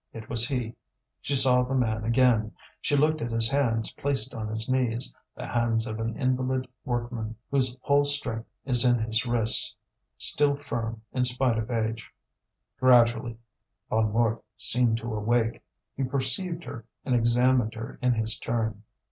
It was he; she saw the man again; she looked at his hands placed on his knees, the hands of an invalid workman whose whole strength is in his wrists, still firm in spite of age. Gradually Bonnemort seemed to awake, he perceived her and examined her in his turn.